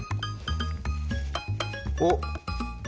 おっ。